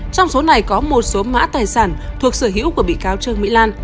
trong số này có một số mã tài sản thuộc sở hữu của bị cáo trương mỹ lan